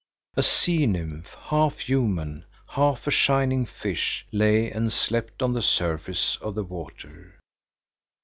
A sea nymph, half human, half a shining fish, lay and slept on the surface of the water.